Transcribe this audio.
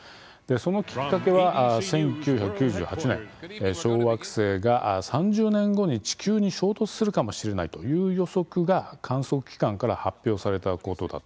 そのきっかけは１９９８年小惑星が３０年後に地球に衝突するかもしれないという予測が観測機関から発表されたことだったんですね。